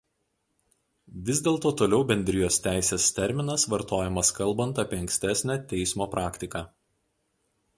Vis dėlto toliau Bendrijos teisės terminas vartojamas kalbant apie ankstesnę teismo praktiką.